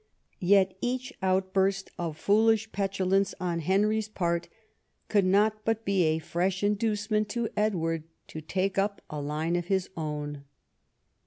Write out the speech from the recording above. Yet each outburst of foolish petulance on Henry's part could not but be a fresh inducement to Edwai'd to take up a line of his own.